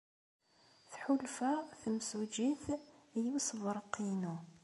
Tḥulfa temsujjit i ussebreq-inu.